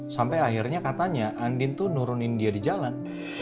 sampai akhirnya katanya andin tuh nurunin dia di jalan